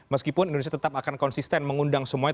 meskipun indonesia tetap akan konsisten mengundang semuanya